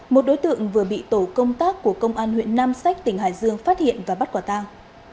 một đối tượng vừa bị tổ công tác của công an huyện nam sách tỉnh hải dương phát hiện và bắt quả tang